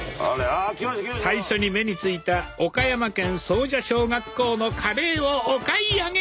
最初に目についた岡山県総社小学校のカレーをお買い上げ！